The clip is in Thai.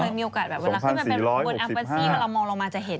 เคยมีโอกาสแบบเวลาที่มันเป็นบนอัฟเฟอร์ซี่ถ้าเรามองลงมาจะเห็น